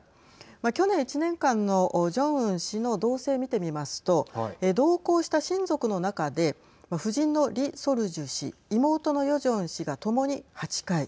去年１年間のジョンウン氏の動静見てみますと同行した親族の中で夫人のリ・ソルジュ氏妹のヨジョン氏が共に８回。